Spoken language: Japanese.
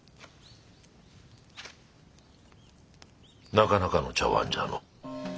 なかなかの茶わんじゃの。